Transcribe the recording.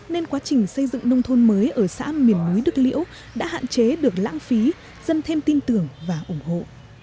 nên quá trình xây dựng nông thôn mới ở xã miền núi đức liễu đã hạn chế được lãng phí dân thêm tin tưởng và ủng hộ